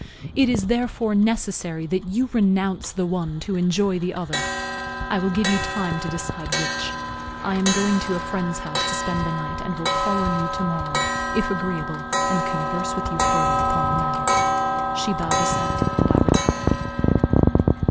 It is, therefore, necessary that you renounce the one to enjoy the other; I will give you time to decide which. I am going to a friend's house to spend the night, and will call on you to morrow, if agreeable, and converse with you further upon the matter." She bowed assent, and I retired.